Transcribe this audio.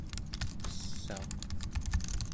qessauq